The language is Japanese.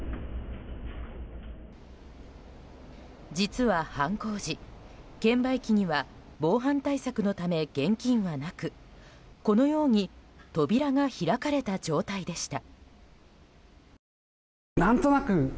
実は犯行時、券売機には防犯対策のため現金はなくこのように扉が開かれた状態でした。